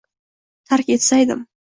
Tark etsaydim